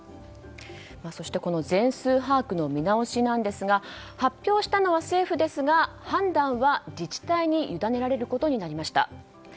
そして全数把握の見直しなんですが発表したのは政府ですが判断は自治体に委ねられることになりました。